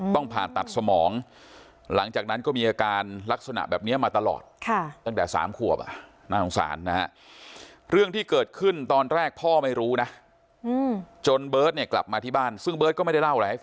ต้องผ่านตัดสมองหลังจากนั้นก็มีอาการลักษณะแบบเนี้ยมาตลอด